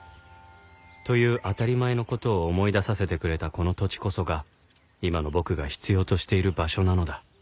という当たり前の事を思い出させてくれたこの土地こそが今の僕が必要としている場所なのだ